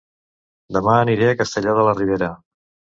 Dema aniré a Castellar de la Ribera